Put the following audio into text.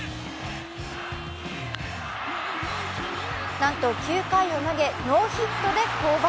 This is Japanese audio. なんと９回を投げ、ノーヒットで降板。